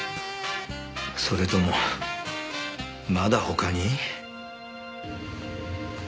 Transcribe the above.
それともまだ他に？